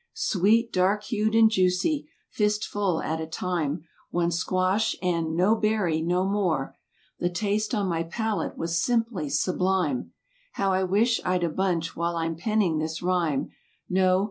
Sweet, dark hued and juicy—fist full at a time—■ One squash, and—no berry—no more; The taste on my palate was simply sublime; (How I wish I'd a bunch while I'm penning this rhyme). No.